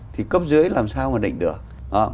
thì cấp dưới làm sao mà nịnh được